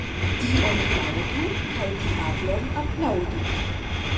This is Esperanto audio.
Dion laŭdu kaj diablon aplaŭdu.